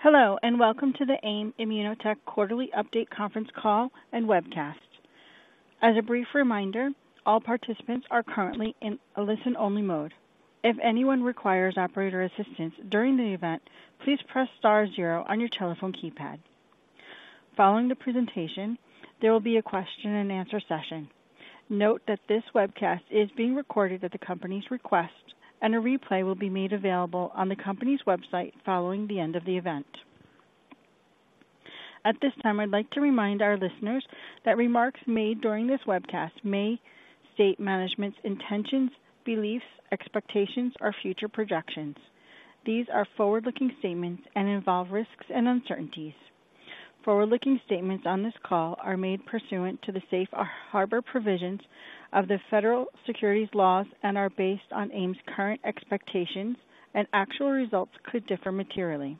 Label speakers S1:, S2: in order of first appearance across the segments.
S1: Hello, and welcome to the AIM ImmunoTech quarterly update conference call and webcast. As a brief reminder, all participants are currently in a listen-only mode. If anyone requires operator assistance during the event, please press star zero on your telephone keypad. Following the presentation, there will be a question and answer session. Note that this webcast is being recorded at the company's request, and a replay will be made available on the company's website following the end of the event. At this time, I'd like to remind our listeners that remarks made during this webcast may state management's intentions, beliefs, expectations, or future projections. These are forward-looking statements and involve risks and uncertainties. Forward-looking statements on this call are made pursuant to the safe harbor provisions of the Federal Securities Laws and are based on AIM's current expectations, and actual results could differ materially.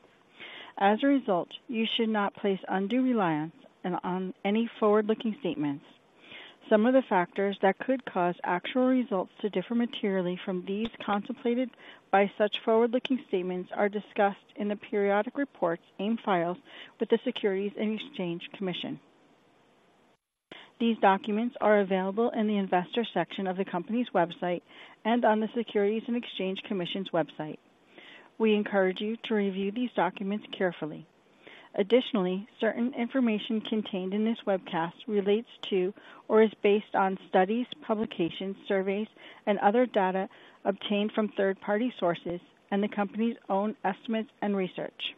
S1: As a result, you should not place undue reliance on, on any forward-looking statements. Some of the factors that could cause actual results to differ materially from these contemplated by such forward-looking statements are discussed in the periodic reports AIM files with the Securities and Exchange Commission. These documents are available in the Investor section of the company's website and on the Securities and Exchange Commission's website. We encourage you to review these documents carefully. Additionally, certain information contained in this webcast relates to or is based on studies, publications, surveys, and other data obtained from third-party sources and the company's own estimates and research.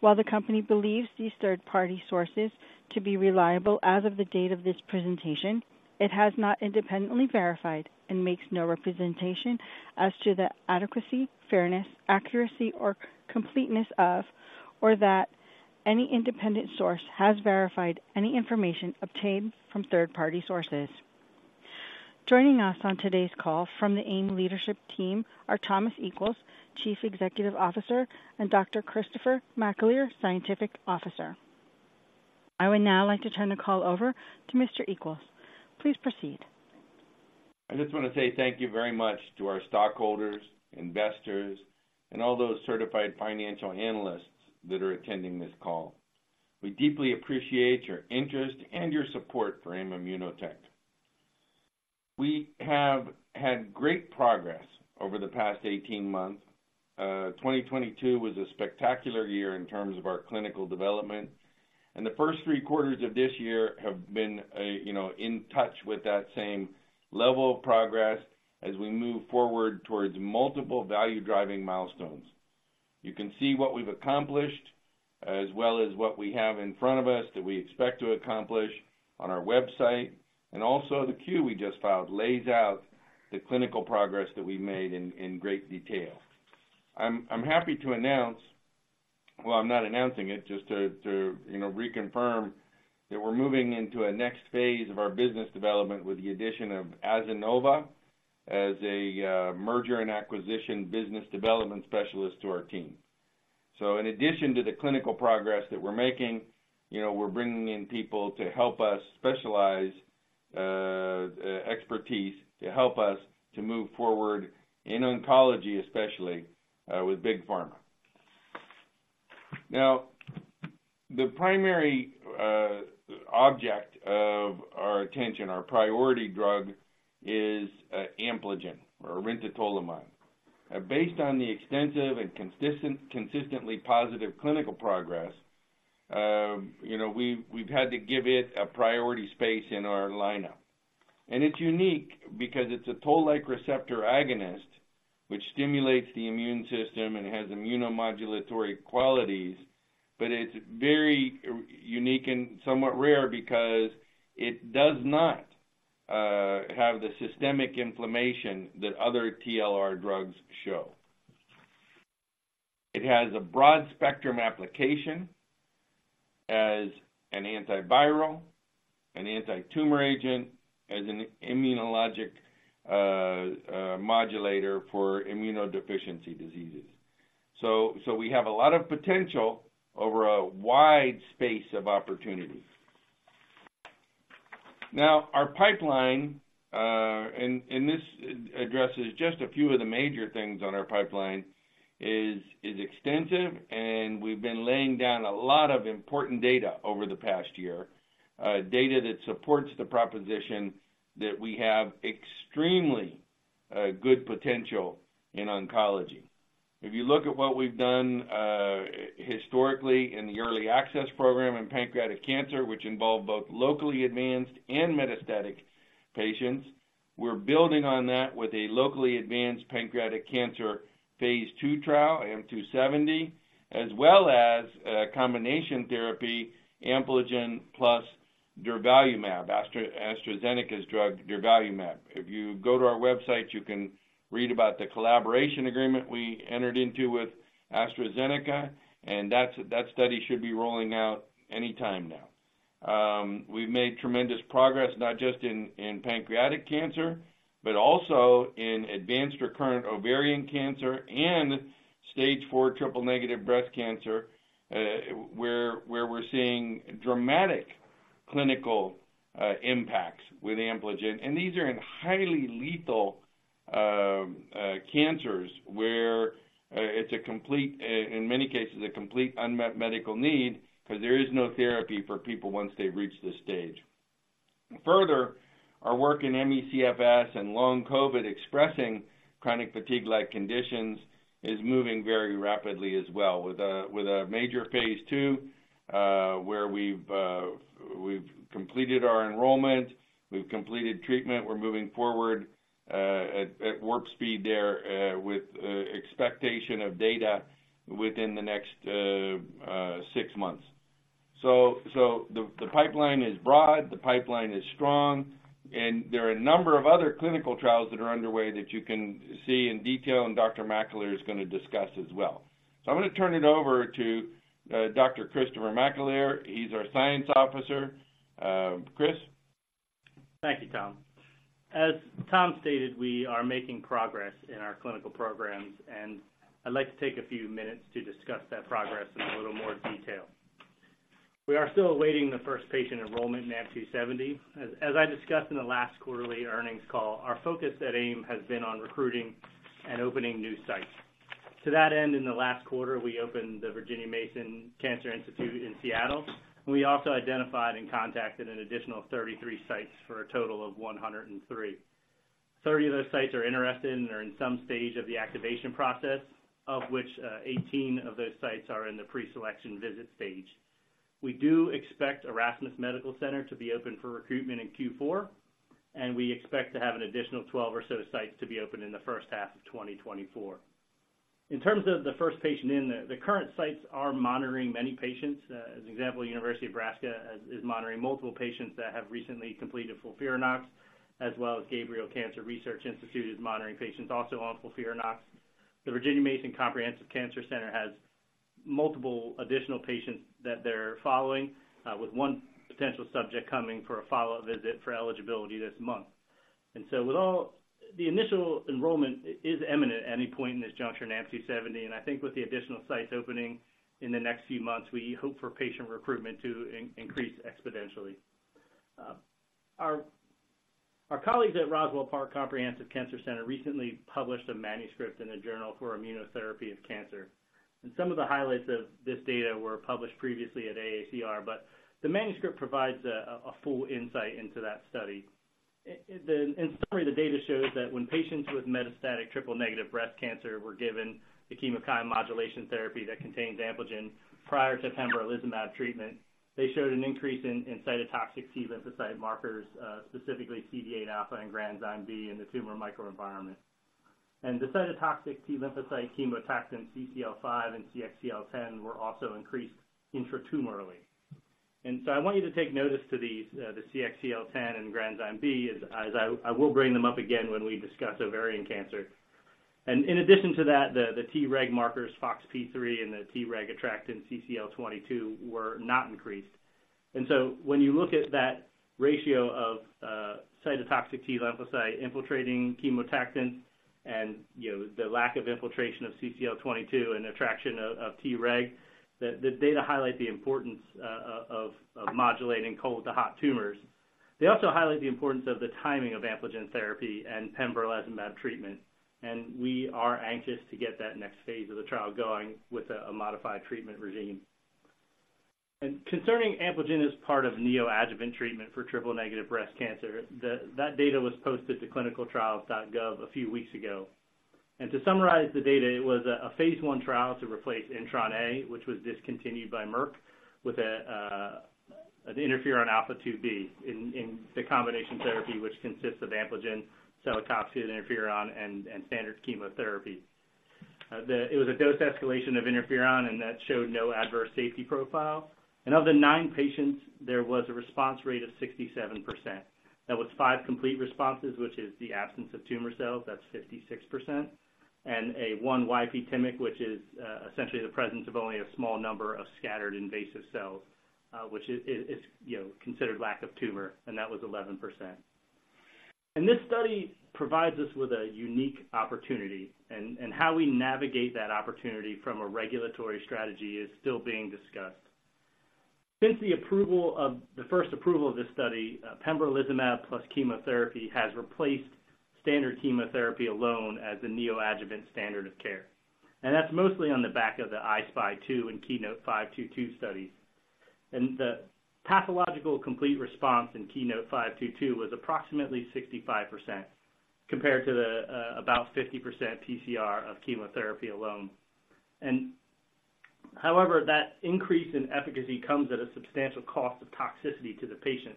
S1: While the company believes these third-party sources to be reliable as of the date of this presentation, it has not independently verified and makes no representation as to the adequacy, fairness, accuracy, or completeness of, or that any independent source has verified any information obtained from third-party sources. Joining us on today's call from the AIM leadership team are Thomas Equels, Chief Executive Officer, and Dr. Christopher McAleer, Scientific Officer. I would now like to turn the call over to Mr. Equels. Please proceed.
S2: I just want to say thank you very much to our stockholders, investors, and all those certified financial analysts that are attending this call. We deeply appreciate your interest and your support for AIM ImmunoTech. We have had great progress over the past 18 months. 2022 was a spectacular year in terms of our clinical development, and the first three quarters of this year have been, you know, in touch with that same level of progress as we move forward towards multiple value-driving milestones. You can see what we've accomplished as well as what we have in front of us that we expect to accomplish on our website. And also the Q we just filed lays out the clinical progress that we've made in great detail. I'm happy to announce... Well, I'm not announcing it, just to, you know, reconfirm that we're moving into a next phase of our business development with the addition of Azenova as a merger and acquisition business development specialist to our team. So in addition to the clinical progress that we're making, you know, we're bringing in people to help us specialize expertise to help us to move forward in oncology, especially with big pharma. Now, the primary object of our attention, our priority drug, is Ampligen or rintatolimod. Based on the extensive and consistent, consistently positive clinical progress, you know, we've had to give it a priority space in our lineup. And it's unique because it's a toll-like receptor agonist, which stimulates the immune system and has immunomodulatory qualities, but it's very unique and somewhat rare because it does not have the systemic inflammation that other TLR drugs show. It has a broad spectrum application as an antiviral, an antitumor agent, as an immunologic modulator for immunodeficiency diseases. So we have a lot of potential over a wide space of opportunities. Now, our pipeline and this addresses just a few of the major things on our pipeline is extensive, and we've been laying down a lot of important data over the past year, data that supports the proposition that we have extremely good potential in oncology. If you look at what we've done historically in the early access program in pancreatic cancer, which involved both locally advanced and metastatic patients, we're building on that with a locally advanced pancreatic cancer Phase II trial, AMP-270, as well as a combination therapy, Ampligen plus durvalumab, AstraZeneca's drug, durvalumab. If you go to our website, you can read about the collaboration agreement we entered into with AstraZeneca, and that study should be rolling out anytime now. We've made tremendous progress, not just in pancreatic cancer, but also in advanced recurrent ovarian cancer and stage 4 triple-negative breast cancer, where we're seeing dramatic clinical impacts with Ampligen. These are in highly lethal cancers, where it's a complete, in many cases, a complete unmet medical need, 'cause there is no therapy for people once they've reached this stage. Further, our work in ME/CFS and long COVID expressing chronic fatigue-like conditions is moving very rapidly as well, with a major Phase II, where we've completed our enrollment, we've completed treatment. We're moving forward at warp speed there, with expectation of data within the next six months. So the pipeline is broad, the pipeline is strong, and there are a number of other clinical trials that are underway that you can see in detail, and Dr. McAleer is gonna discuss as well. So I'm gonna turn it over to Dr. Christopher McAleer. He's our science officer. Chris?
S3: Thank you, Tom. As Tom stated, we are making progress in our clinical programs, and I'd like to take a few minutes to discuss that progress in a little more detail. We are still awaiting the first patient enrollment in AMP-270. As I discussed in the last quarterly earnings call, our focus at AIM has been on recruiting and opening new sites. To that end, in the last quarter, we opened the Virginia Mason Cancer Institute in Seattle, and we also identified and contacted an additional 33 sites for a total of 103. 30 of those sites are interested and are in some stage of the activation process, of which 18 of those sites are in the pre-selection visit stage. We do expect Erasmus Medical Center to be open for recruitment in Q4, and we expect to have an additional 12 or so sites to be open in the first half of 2024. In terms of the first patient in, the current sites are monitoring many patients. As an example, University of Nebraska is monitoring multiple patients that have recently completed FOLFIRINOX, as well as Gabrail Cancer Center is monitoring patients also on FOLFIRINOX. The Virginia Mason Cancer Institute has multiple additional patients that they're following, with one potential subject coming for a follow-up visit for eligibility this month. And so with all the initial enrollment is imminent at any point in this juncture in AMP-270, and I think with the additional sites opening in the next few months, we hope for patient recruitment to increase exponentially. Our colleagues at Roswell Park Comprehensive Cancer Center recently published a manuscript in a journal for immunotherapy of cancer, and some of the highlights of this data were published previously at AACR, but the manuscript provides a full insight into that study. In summary, the data shows that when patients with metastatic triple-negative breast cancer were given the chemokine modulation therapy that contains Ampligen prior to pembrolizumab treatment, they showed an increase in cytotoxic T lymphocyte markers, specifically CD8 alpha and granzyme B in the tumor microenvironment. And the cytotoxic T lymphocyte chemoattractant, CCL5 and CXCL10, were also increased intratumorally. And so I want you to take notice to these, the CXCL10 and granzyme B, as I will bring them up again when we discuss ovarian cancer. In addition to that, the Treg markers, FoxP3 and the Treg-attracting CCL22, were not increased. So when you look at that ratio of cytotoxic T lymphocyte infiltrating chemoattractants and, you know, the lack of infiltration of CCL22 and attraction of Treg, the data highlight the importance of modulating cold to hot tumors. They also highlight the importance of the timing of Ampligen therapy and pembrolizumab treatment, and we are anxious to get that next phase of the trial going with a modified treatment regimen. Concerning Ampligen as part of neoadjuvant treatment for triple-negative breast cancer, that data was posted to ClinicalTrials.gov a few weeks ago. To summarize the data, it was a Phase I trial to replace Intron A, which was discontinued by Merck, with an interferon alpha-2b in the combination therapy, which consists of Ampligen, celecoxib, interferon, and standard chemotherapy. It was a dose escalation of interferon, and that showed no adverse safety profile. Of the 9 patients, there was a response rate of 67%. That was 5 complete responses, which is the absence of tumor cells, that's 56%, and one ypTmic, which is essentially the presence of only a small number of scattered invasive cells, which is, you know, considered lack of tumor, and that was 11%. This study provides us with a unique opportunity, and how we navigate that opportunity from a regulatory strategy is still being discussed. Since the approval of... The first approval of this study, pembrolizumab plus chemotherapy has replaced standard chemotherapy alone as the neoadjuvant standard of care, and that's mostly on the back of the I-SPY 2 and KEYNOTE-522 studies. The pathological complete response in KEYNOTE-522 was approximately 65%, compared to the about 50% PCR of chemotherapy alone. However, that increase in efficacy comes at a substantial cost of toxicity to the patient.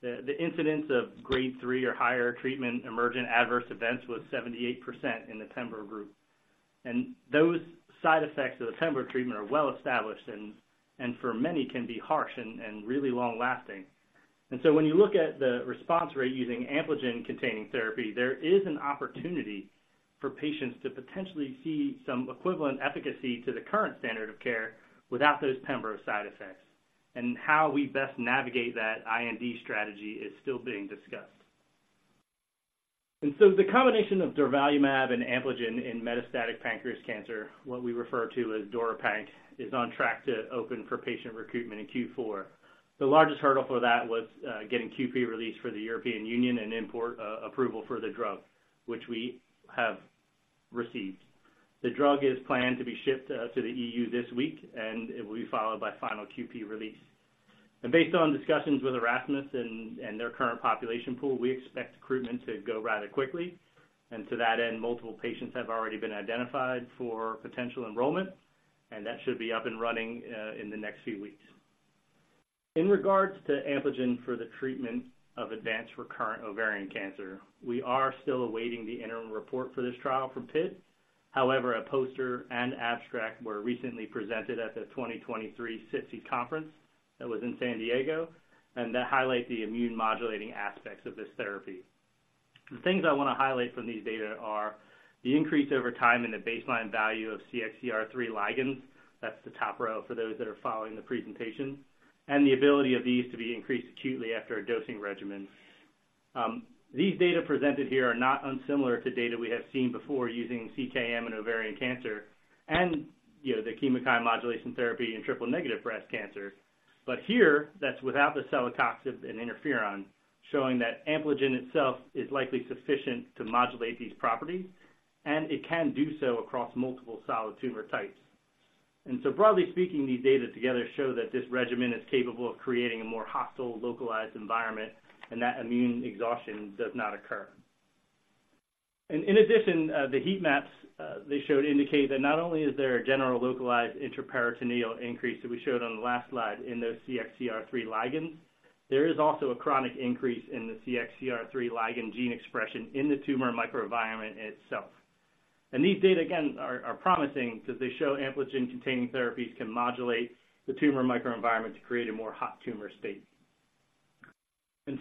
S3: The incidence of Grade 3 or higher treatment emergent adverse events was 78% in the pembro group. Those side effects of the pembro treatment are well established and for many can be harsh and really long lasting. So when you look at the response rate using Ampligen-containing therapy, there is an opportunity for patients to potentially see some equivalent efficacy to the current standard of care without those pembro side effects. How we best navigate that IND strategy is still being discussed. So the combination of durvalumab and Ampligen in metastatic pancreas cancer, what we refer to as DuraPanc, is on track to open for patient recruitment in Q4. The largest hurdle for that was getting QP release for the European Union and import approval for the drug, which we have received. The drug is planned to be shipped to the EU this week, and it will be followed by final QP release. Based on discussions with Erasmus and their current population pool, we expect recruitment to go rather quickly. To that end, multiple patients have already been identified for potential enrollment, and that should be up and running in the next few weeks. In regards to Ampligen for the treatment of advanced recurrent ovarian cancer, we are still awaiting the interim report for this trial from Pitt. However, a poster and abstract were recently presented at the 2023 SITC conference that was in San Diego, and that highlight the immune modulating aspects of this therapy. The things I want to highlight from these data are the increase over time in the baseline value of CXCR3 ligands. That's the top row for those that are following the presentation, and the ability of these to be increased acutely after a dosing regimen. These data presented here are not unsimilar to data we have seen before using CKM in ovarian cancer and, you know, the chemokine modulation therapy in triple-negative breast cancer. But here, that's without the celecoxib and interferon, showing that Ampligen itself is likely sufficient to modulate these properties, and it can do so across multiple solid tumor types. So broadly speaking, these data together show that this regimen is capable of creating a more hostile, localized environment, and that immune exhaustion does not occur. In addition, the heat maps they showed indicate that not only is there a general localized intraperitoneal increase that we showed on the last slide in those CXCR3 ligands, there is also a chronic increase in the CXCR3 ligand gene expression in the tumor microenvironment itself. These data, again, are promising because they show Ampligen-containing therapies can modulate the tumor microenvironment to create a more hot tumor state.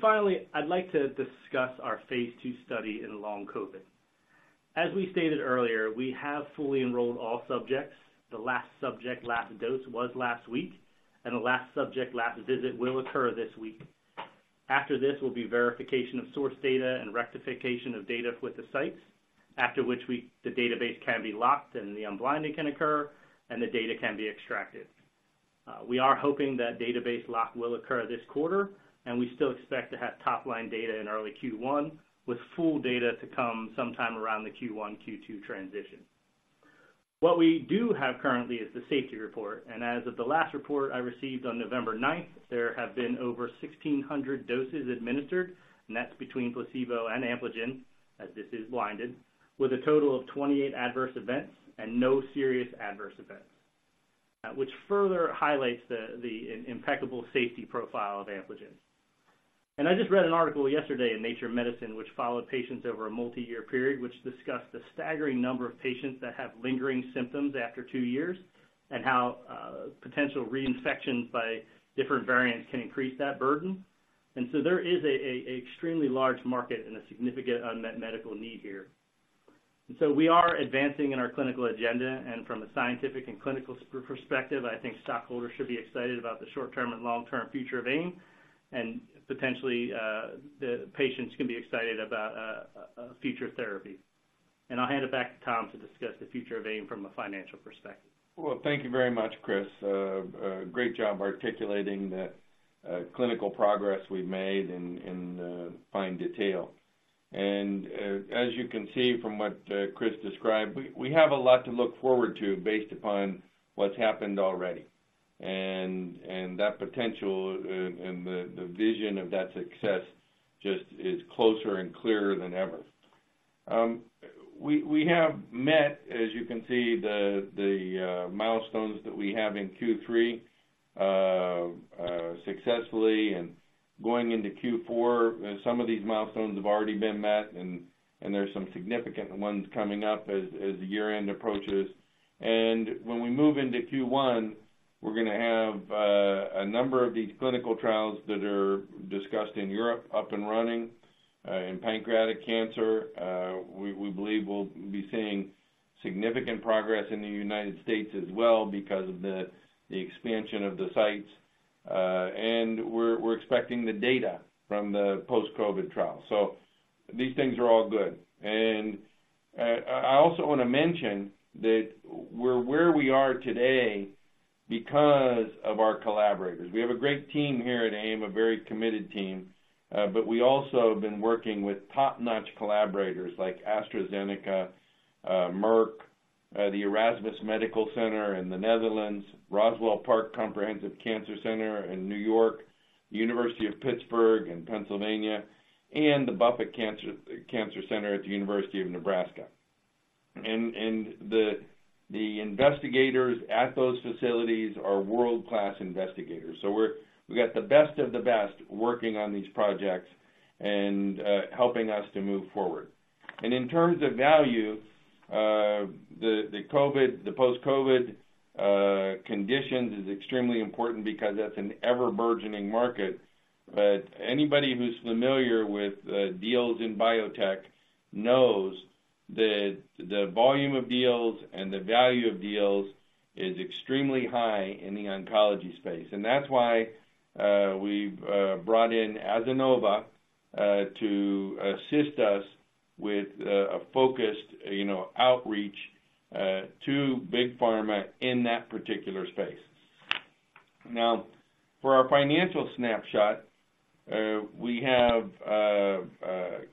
S3: Finally, I'd like to discuss our Phase II study in long COVID. As we stated earlier, we have fully enrolled all subjects. The last subject, last dose, was last week, and the last subject, last visit, will occur this week. After this will be verification of source data and rectification of data with the sites, after which the database can be locked and the unblinding can occur, and the data can be extracted. We are hoping that database lock will occur this quarter, and we still expect to have top-line data in early Q1, with full data to come sometime around the Q1, Q2 transition. What we do have currently is the safety report, and as of the last report I received on November ninth, there have been over 1,600 doses administered, and that's between placebo and Ampligen, as this is blinded, with a total of 28 adverse events and no serious adverse events, which further highlights the impeccable safety profile of Ampligen. I just read an article yesterday in Nature Medicine, which followed patients over a multi-year period, which discussed the staggering number of patients that have lingering symptoms after two years and how potential reinfection by different variants can increase that burden. So there is an extremely large market and a significant unmet medical need here. So we are advancing in our clinical agenda, and from a scientific and clinical perspective, I think stockholders should be excited about the short-term and long-term future of AIM, and potentially, the patients can be excited about a future therapy. And I'll hand it back to Tom to discuss the future of AIM from a financial perspective.
S2: Well, thank you very much, Chris. Great job articulating the clinical progress we've made in fine detail. And as you can see from what Chris described, we have a lot to look forward to based upon what's happened already. And that potential and the vision of that success just is closer and clearer than ever. We have met, as you can see, the milestones that we have in Q3 successfully. And going into Q4, some of these milestones have already been met, and there's some significant ones coming up as the year-end approaches. And when we move into Q1, we're gonna have a number of these clinical trials that are discussed in Europe up and running. In pancreatic cancer, we believe we'll be seeing significant progress in the United States as well because of the expansion of the sites. And we're expecting the data from the post-COVID trial. So these things are all good. And I also want to mention that we're where we are today because of our collaborators. We have a great team here at AIM, a very committed team, but we also have been working with top-notch collaborators like AstraZeneca, Merck, the Erasmus Medical Center in the Netherlands, Roswell Park Comprehensive Cancer Center in New York, University of Pittsburgh in Pennsylvania, and the Buffett Cancer Center at the University of Nebraska. And the investigators at those facilities are world-class investigators. So we're... We've got the best of the best working on these projects and helping us to move forward. And in terms of value, the COVID, the post-COVID conditions is extremely important because that's an ever-burgeoning market. But anybody who's familiar with deals in biotech knows the volume of deals and the value of deals is extremely high in the oncology space, and that's why we've brought in Azenova to assist us with a focused, you know, outreach to big pharma in that particular space. Now, for our financial snapshot, we have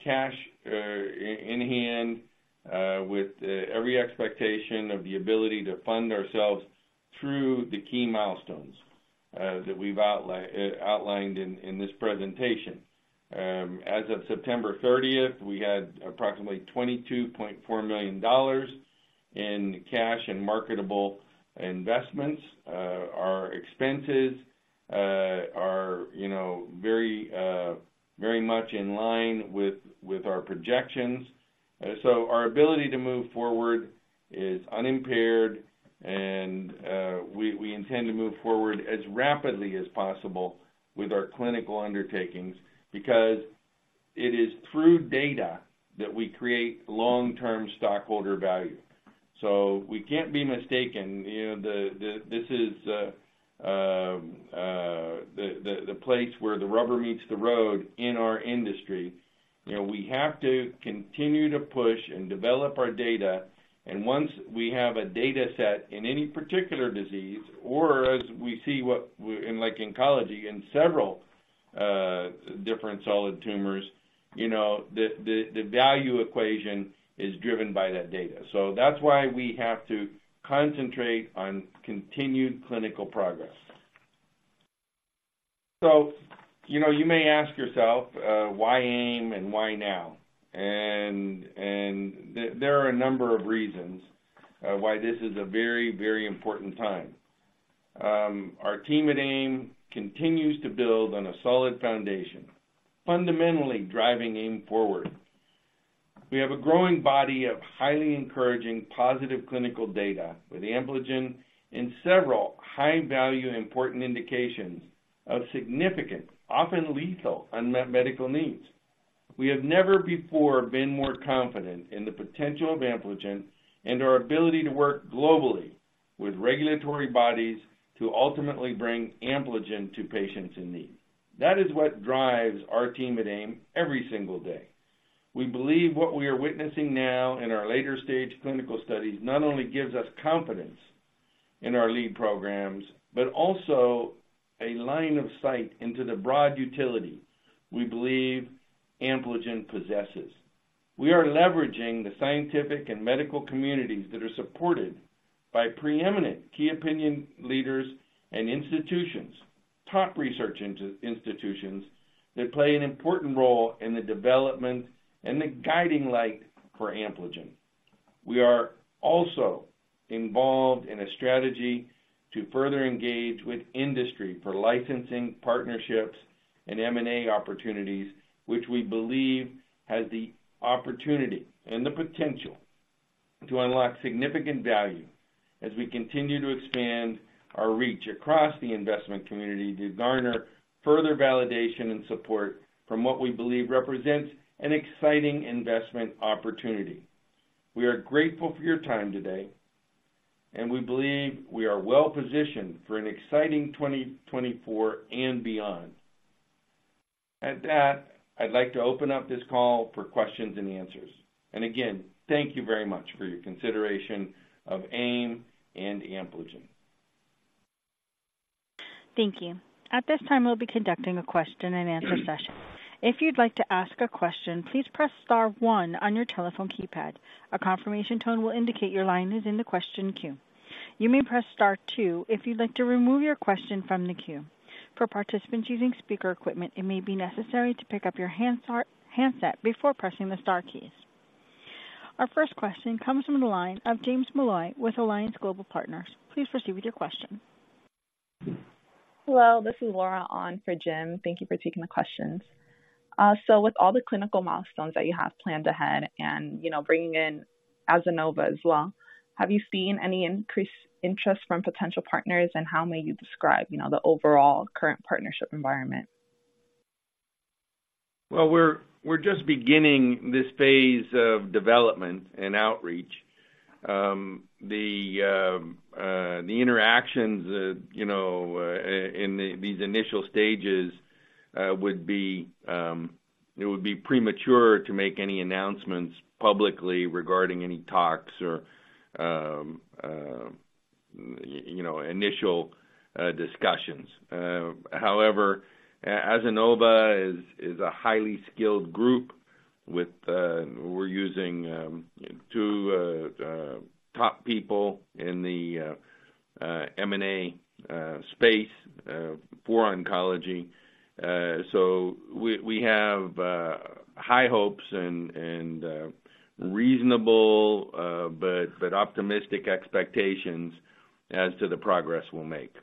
S2: cash in hand with every expectation of the ability to fund ourselves through the key milestones that we've outlined in this presentation. As of September thirtieth, we had approximately $22.4 million in cash and marketable investments. Our expenses are, you know, very, very much in line with, with our projections. So our ability to move forward is unimpaired, and, we, we intend to move forward as rapidly as possible with our clinical undertakings, because it is through data that we create long-term stockholder value. So we can't be mistaken, you know, the, the, this is, the, the, the place where the rubber meets the road in our industry. You know, we have to continue to push and develop our data, and once we have a data set in any particular disease, or as we see what we... in like oncology, in several, different solid tumors, you know, the, the, the value equation is driven by that data. So that's why we have to concentrate on continued clinical progress. You know, you may ask yourself why AIM and why now? And there are a number of reasons why this is a very, very important time. Our team at AIM continues to build on a solid foundation, fundamentally driving AIM forward. We have a growing body of highly encouraging positive clinical data with Ampligen in several high-value, important indications of significant, often lethal, unmet medical needs. We have never before been more confident in the potential of Ampligen and our ability to work globally with regulatory bodies to ultimately bring Ampligen to patients in need. That is what drives our team at AIM every single day. We believe what we are witnessing now in our later-stage clinical studies not only gives us confidence in our lead programs, but also a line of sight into the broad utility we believe Ampligen possesses. We are leveraging the scientific and medical communities that are supported by preeminent key opinion leaders and institutions, top research institutions that play an important role in the development and the guiding light for Ampligen. We are also involved in a strategy to further engage with industry for licensing, partnerships, and M&A opportunities, which we believe has the opportunity and the potential to unlock significant value as we continue to expand our reach across the investment community to garner further validation and support from what we believe represents an exciting investment opportunity. We are grateful for your time today, and we believe we are well positioned for an exciting 2024 and beyond. At that, I'd like to open up this call for questions and answers. Again, thank you very much for your consideration of AIM and Ampligen.
S1: Thank you. At this time, we'll be conducting a question-and-answer session. If you'd like to ask a question, please press star one on your telephone keypad. A confirmation tone will indicate your line is in the question queue. You may press star two if you'd like to remove your question from the queue. For participants using speaker equipment, it may be necessary to pick up your handset before pressing the star keys. Our first question comes from the line of James Molloy with Alliance Global Partners. Please proceed with your question.
S4: Hello, this is Laura on for Jim. Thank you for taking the questions. With all the clinical milestones that you have planned ahead and, you know, bringing in Azenova as well, have you seen any increased interest from potential partners? How may you describe, you know, the overall current partnership environment?
S2: Well, we're just beginning this phase of development and outreach. The interactions, you know, in these initial stages, would be premature to make any announcements publicly regarding any talks or, you know, initial discussions. However, Azenova is a highly skilled group with, we're using 2 top people in the M&A space for oncology. So we have high hopes and reasonable, but optimistic expectations as to the progress we'll make.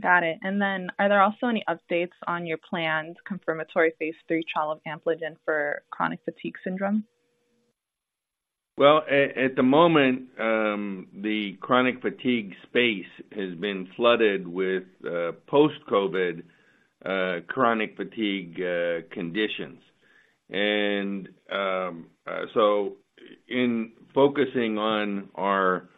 S4: Got it. And then, are there also any updates on your planned confirmatory Phase III trial of Ampligen for chronic fatigue syndrome?...
S2: Well, at the moment, the chronic fatigue space has been flooded with post-COVID chronic fatigue conditions. And so in focusing on our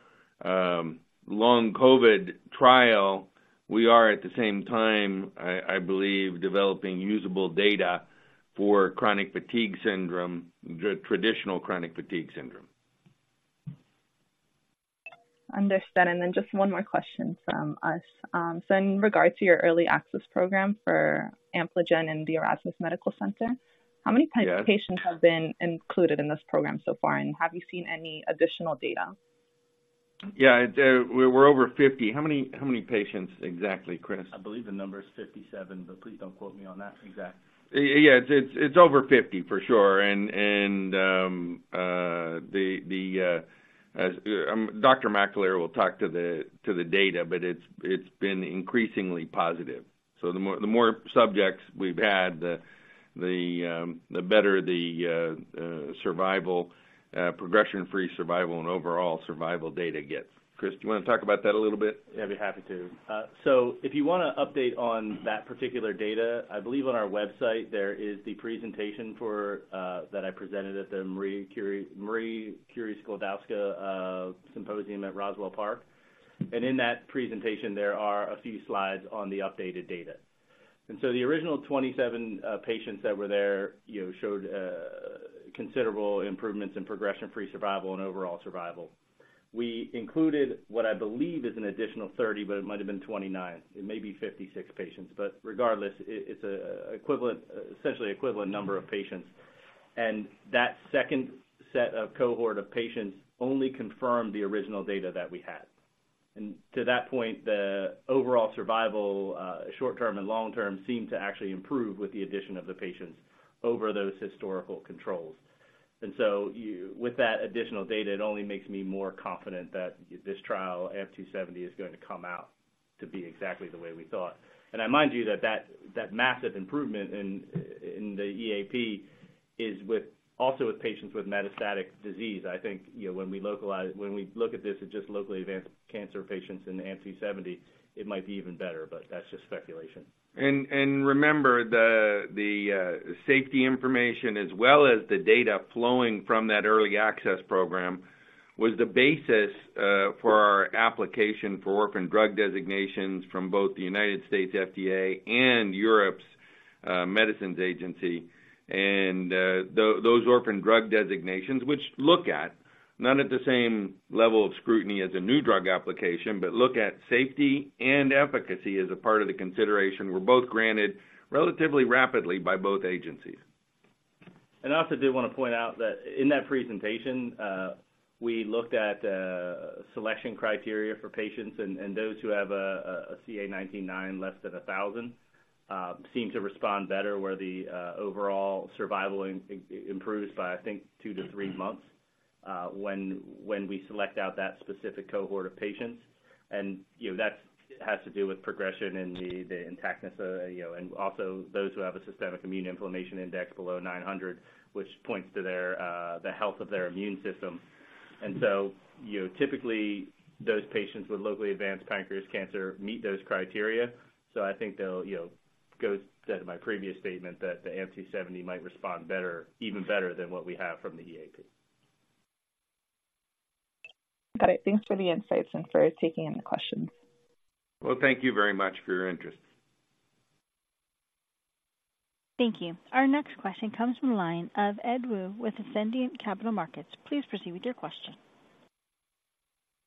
S2: long COVID trial, we are at the same time, I believe, developing usable data for chronic fatigue syndrome, the traditional chronic fatigue syndrome.
S4: Understood. Just one more question from us. In regard to your early access program for Ampligen and the Erasmus Medical Center, how many-
S2: Yeah
S4: patients have been included in this program so far? And have you seen any additional data?
S2: Yeah, we're over 50. How many, how many patients exactly, Chris?
S3: I believe the number is 57, but please don't quote me on that exact.
S2: Yeah, it's over 50 for sure. And Dr. McAleer will talk to the data, but it's been increasingly positive. So the more subjects we've had, the better the survival, progression-free survival and overall survival data gets. Chris, do you wanna talk about that a little bit?
S3: Yeah, I'd be happy to. So if you want an update on that particular data, I believe on our website, there is the presentation for that I presented at the Marie Curie Skłodowska symposium at Roswell Park. And in that presentation, there are a few slides on the updated data. And so the original 27 patients that were there, you know, showed considerable improvements in progression-free survival and overall survival. We included what I believe is an additional 30, but it might have been 29. It may be 56 patients, but regardless, it's an equivalent, essentially equivalent number of patients. And that second set of cohort of patients only confirmed the original data that we had. And to that point, the overall survival, short-term and long-term, seemed to actually improve with the addition of the patients over those historical controls. With that additional data, it only makes me more confident that this trial, AMP-270, is going to come out to be exactly the way we thought. And I remind you that massive improvement in the EAP is with, also with patients with metastatic disease. I think, you know, when we localize, when we look at this as just locally advanced cancer patients in AMP-270, it might be even better, but that's just speculation.
S2: And remember, the safety information, as well as the data flowing from that early access program, was the basis for our application for orphan drug designations from both the United States FDA and Europe's Medicines Agency. And those orphan drug designations, which look at, not at the same level of scrutiny as a new drug application, but look at safety and efficacy as a part of the consideration, were both granted relatively rapidly by both agencies.
S3: I also did want to point out that in that presentation, we looked at selection criteria for patients, and those who have a CA19-9 less than 1,000 seem to respond better, where the overall survival improves by, I think, 2-3 months, when we select out that specific cohort of patients. And, you know, that's has to do with progression and the intactness of, you know, and also those who have a systemic immune-inflammation index below 900, which points to their the health of their immune system. And so, you know, typically, those patients with locally advanced pancreatic cancer meet those criteria. So I think they'll, you know, goes down to my previous statement that the AMP-270 might respond better, even better than what we have from the EAP.
S4: Got it. Thanks for the insights and for taking any questions.
S2: Well, thank you very much for your interest.
S1: Thank you. Our next question comes from the line of Ed Woo with Ascendiant Capital Markets. Please proceed with your question.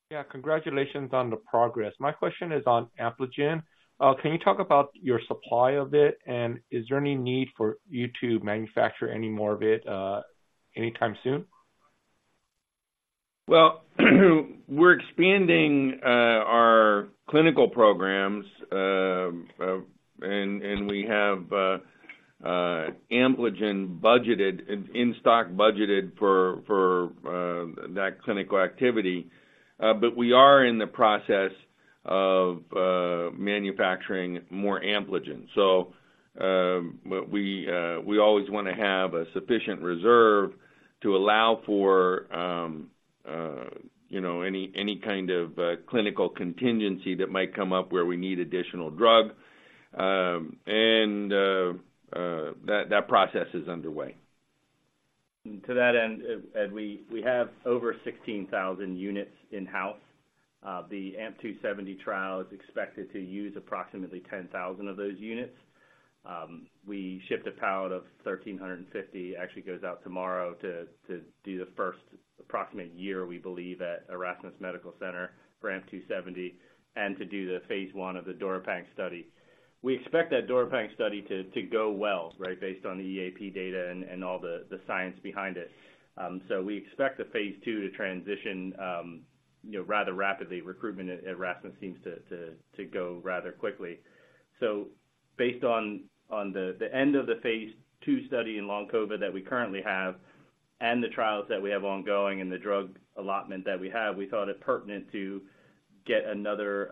S5: Yeah, congratulations on the progress. My question is on Ampligen. Can you talk about your supply of it, and is there any need for you to manufacture any more of it, anytime soon?
S2: Well, we're expanding our clinical programs, and we have Ampligen budgeted, in-stock budgeted for that clinical activity. But we are in the process of manufacturing more Ampligen. So, but we always wanna have a sufficient reserve to allow for, you know, any kind of clinical contingency that might come up where we need additional drug, and that process is underway.
S3: To that end, Ed, we have over 16,000 units in-house. The AMP-270 trial is expected to use approximately 10,000 of those units. We shipped a pallet of 1,350, actually goes out tomorrow to do the first approximate year, we believe, at Erasmus Medical Center for AMP-270, and to do the Phase I of the DuraPanc study. We expect that DuraPanc study to go well, right? Based on the EAP data and all the science behind it. So we expect the Phase II to transition, you know, rather rapidly. Recruitment at Erasmus seems to go rather quickly. Based on the end of the Phase II study in long COVID that we currently have and the trials that we have ongoing and the drug allotment that we have, we thought it pertinent to get another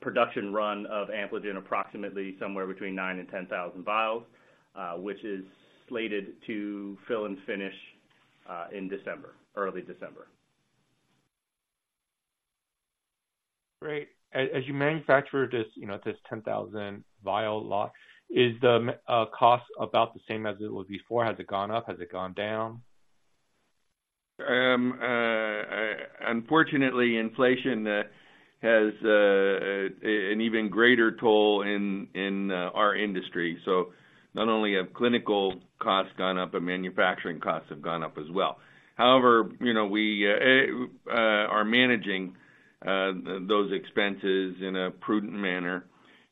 S3: production run of Ampligen approximately somewhere between 9,000 and 10,000 vials, which is slated to fill and finish in early December.
S5: Great. As you manufacture this, you know, this 10,000 vial lot, is the cost about the same as it was before? Has it gone up? Has it gone down?
S3: Unfortunately, inflation has an even greater toll in our industry. So not only have clinical costs gone up, but manufacturing costs have gone up as well. However, you know, we are managing those expenses in a prudent manner.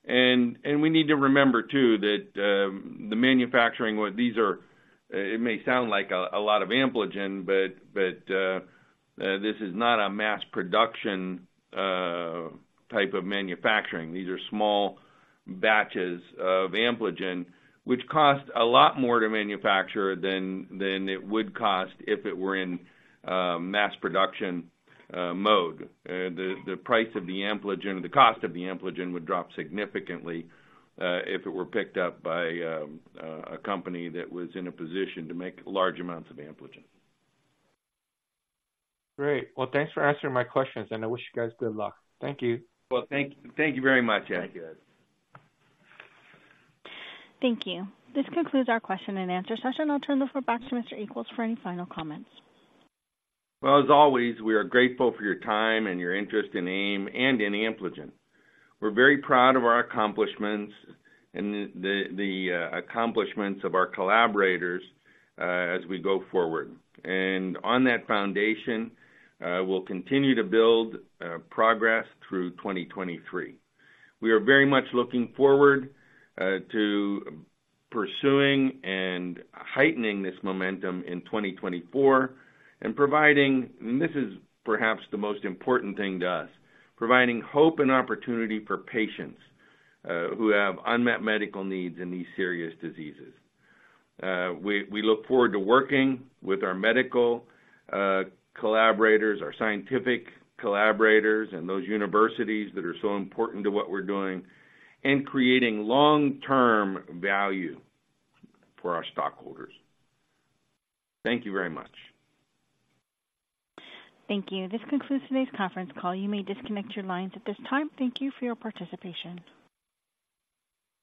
S3: We need to remember, too, that the manufacturing, what these are - it may sound like a lot of Ampligen, but this is not a mass production type of manufacturing. These are small batches of Ampligen, which cost a lot more to manufacture than it would cost if it were in mass production mode. The price of the Ampligen, the cost of the Ampligen would drop significantly if it were picked up by a company that was in a position to make large amounts of Ampligen.
S5: Great. Well, thanks for answering my questions, and I wish you guys good luck. Thank you.
S2: Well, thank you very much, Ed Woo.
S1: Thank you. This concludes our question and answer session. I'll turn the floor back to Mr. Equels for any final comments.
S2: Well, as always, we are grateful for your time and your interest in AIM and in Ampligen. We're very proud of our accomplishments and the accomplishments of our collaborators as we go forward. And on that foundation, we'll continue to build progress through 2023. We are very much looking forward to pursuing and heightening this momentum in 2024 and providing... And this is perhaps the most important thing to us, providing hope and opportunity for patients who have unmet medical needs in these serious diseases. We look forward to working with our medical collaborators, our scientific collaborators, and those universities that are so important to what we're doing, and creating long-term value for our stockholders. Thank you very much.
S1: Thank you. This concludes today's conference call. You may disconnect your lines at this time. Thank you for your participation.